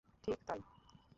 ঠিক, তাই।